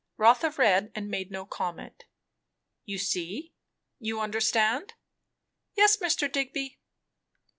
Rotha read, and made no comment. "You see? You understand?" "Yes, Mr. Digby."